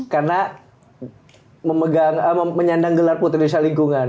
karena menyandang gelar putri indonesia lingkungan